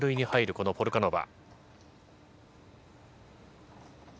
このポルカノバ。